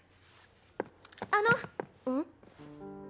あの！